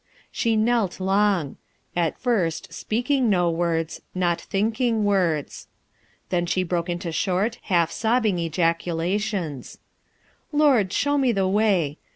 She knelt long; at first speaking no words, not thinking words. Then she broke into short, half sobbing ejaculations: "Lord, show me the way.